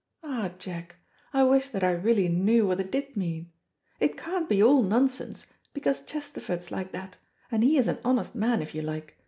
Ah, Jack, I wish that I really knew what it did mean. It can't be all nonsense, because Chesterford's like that, and he is an honest man if you like.